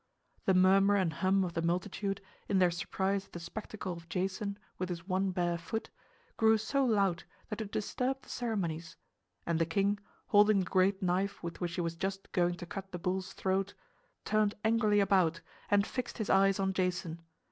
The murmur and hum of the multitude, in their surprise at the spectacle of Jason with his one bare foot, grew so loud that it disturbed the ceremonies; and the king, holding the great knife with which he was just going to cut the bull's throat, turned angrily about and fixed his eyes on Jason.